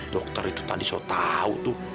dokter itu tadi saya tahu tuh